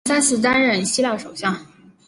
他曾三次担任希腊首相。